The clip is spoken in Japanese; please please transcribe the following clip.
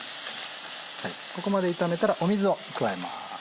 ここまで炒めたら水を加えます。